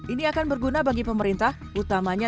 ini akan berguna bagi pemerintah utama pemerintah dan pemerintah